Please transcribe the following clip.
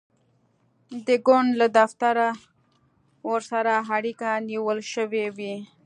د ګوند له دفتره ورسره اړیکه نیول شوې وي.